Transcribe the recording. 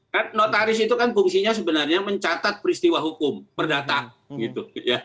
kan notaris itu kan fungsinya sebenarnya mencatat peristiwa hukum perdata gitu